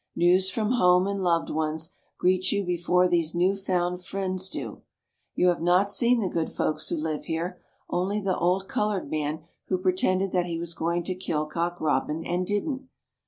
News from home and loved ones greets you before these new found friends do! You have not seen the good folks who live here, only the old colored man who pretended that he was going to kill cock robin, and didn't.